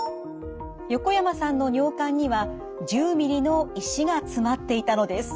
横山さんの尿管には１０ｍｍの石が詰まっていたのです。